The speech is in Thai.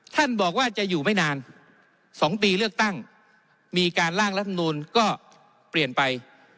ท่านบอกว่าจะอยู่ไม่นาน๒ปีเลือกตั้งมีการล่างรัฐมนูลก็เปลี่ยนไป